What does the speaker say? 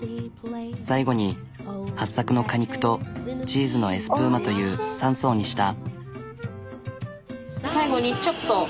最後にはっさくの果肉とチーズのエスプーマという３層にした。